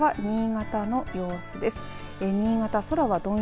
そしてこちらは新潟の様子です。